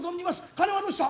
金はどうした？